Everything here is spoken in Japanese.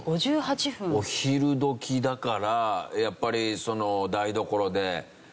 お昼時だからやっぱりその。